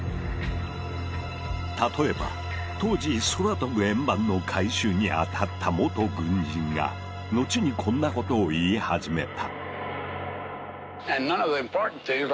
例えば当時空飛ぶ円盤の回収に当たった元軍人が後にこんなことを言い始めた。